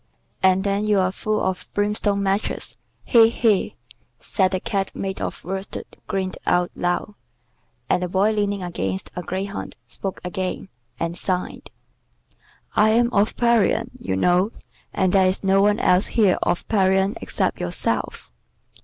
And then you're full of brimstone matches. He! he!" and the Cat made of worsted grinned out loud. The Boy leaning against a greyhound spoke again, and sighed: "I am of Parian, you know, and there is no one else here of Parian except yourself."